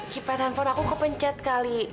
kippen handphone aku kepencet kali